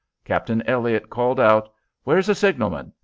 Captain Elliott called out: "Where's a signalman?